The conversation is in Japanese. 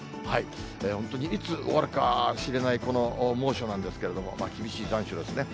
本当にいつ終わるかしれないこの猛暑なんですけれども、厳しい残暑ですね。